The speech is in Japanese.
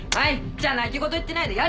じゃあ泣き言言ってないでやる。